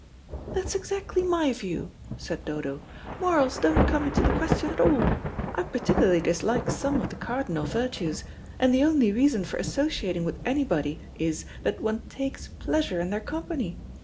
"That's exactly my view," said Dodo; "morals don't come into the question at all. I particularly dislike some of the cardinal virtues and the only reason for associating with anybody is that one takes pleasure in their company.